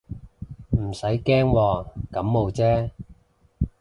唔使驚喎，感冒啫